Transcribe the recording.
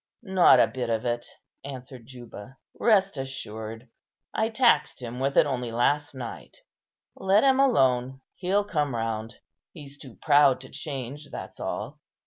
"Not a bit of it," answered Juba; "rest assured. I taxed him with it only last night; let him alone, he'll come round. He's too proud to change, that's all.